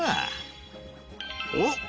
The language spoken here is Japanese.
おっ！